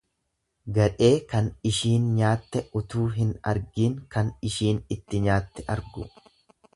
Gadhee kan ishiin nyaatte utuu hin argiin kan ishiin itti nyaatte argu.